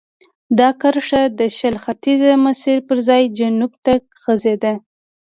دا کرښه د شل ختیځ مسیر پر ځای جنوب ته غځېده.